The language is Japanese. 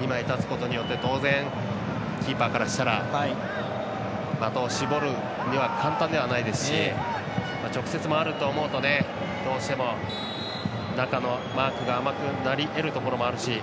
２枚、立つことによってキーパーからしたら的を絞るには簡単ではないですし直接もあると思うとどうしても、中のマークが甘くなりえるところもあるし。